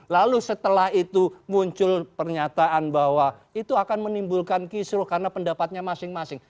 lalu setelah itu muncul pernyataan bahwa itu akan menimbulkan kisruh karena pendapatnya masing masing